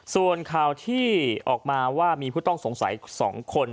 ส่วนข่าวที่ออกมาว่ามีผู้ต้องสงสัย๒คน